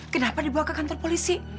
kenapa dibawa ke kantor polisi